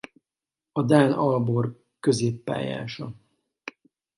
A dán Aalborg középpályása.